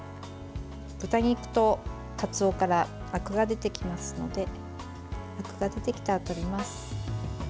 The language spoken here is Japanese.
豚肉とかつおからあくが出てきますのであくが出てきたらとります。